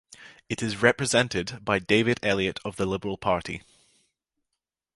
It is represented by David Elliott of the Liberal Party.